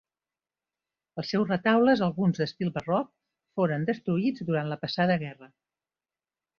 Els seus retaules, alguns d'estil barroc, foren destruïts durant la passada guerra.